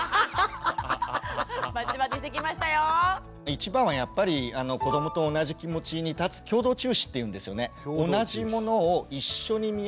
一番はやっぱり子どもと同じ気持ちに立つ「共同注視」っていうんですよね。